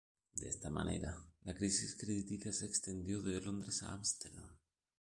De esta manera, la crisis crediticia se extendió de Londres a Ámsterdam.